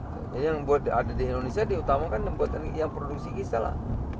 jadi yang ada di indonesia diutamakan buat yang produksi kisah lah